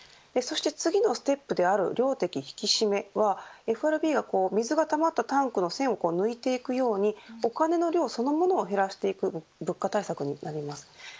そして次のステップである量的引き締めはＦＲＢは、水がたまったタンクの栓を抜いていくようにお金の量そのものを減らしていく物価対策になります。